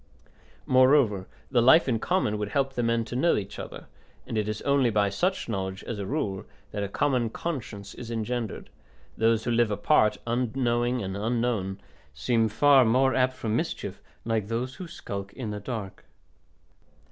Moreover the life in common would help the men to know each other, and it is only by such knowledge, as a rule, that a common conscience is engendered; those who live apart, unknowing and unknown, seem far more apt for mischief, like those who skulk in the dark.